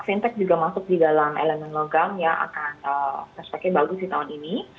fintech juga masuk di dalam elemen logam yang akan respeknya bagus di tahun ini